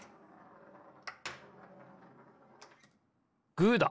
グーだ！